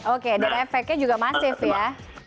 oke dan efeknya juga masif ya